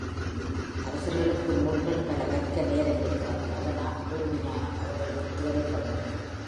அரசர்களுக்கு நூல்கள் பல கற்க நேரம் இருக்காது அதனால் கேள்விஞானம் அவர்களுக்குத் தேவைப்படுகிறது.